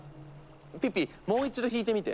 ピッピもう一度弾いてみて。